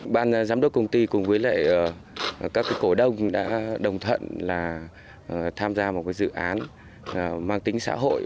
ban giám đốc công ty cùng với lại các cổ đông đã đồng thuận là tham gia một dự án mang tính xã hội